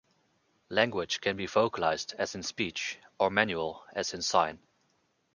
Language can be vocalized as in speech, or manual as in sign.